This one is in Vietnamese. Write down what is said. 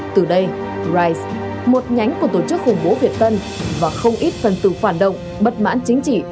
từ đây rise một nhánh của tổ chức hục bố việt tân và không ít phần tử phản động bật mãn chính trị